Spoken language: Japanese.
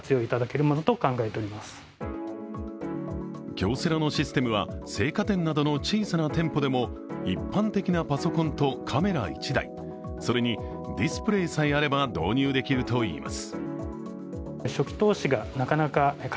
京セラのシステムは、青果店などの小さな店舗でも一般的なパソコンとカメラ１台それにディスプレイさえあれば導入できるといいます。